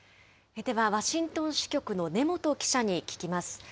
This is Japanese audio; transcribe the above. ではワシントン支局の根本記者に聞きます。